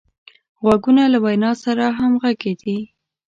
غوږونه له وینا سره همغږي دي